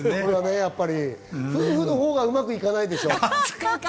夫婦のほうがうまくいかないでしょう。